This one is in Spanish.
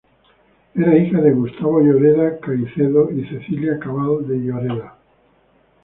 Era hija de Gustavo Lloreda Caicedo y Cecilia Cabal de Lloreda.